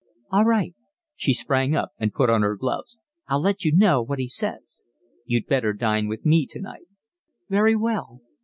"All right." She sprang up and put on her gloves. "I'll let you know what he says." "You'd better dine with me tonight." "Very well."